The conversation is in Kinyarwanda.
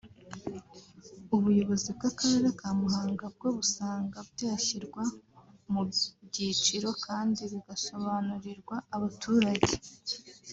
ubuyobozi bw’Akarere ka Muhanga bwo busanga byashyirwa mu byiciro kandi bigasobanurirwa abaturage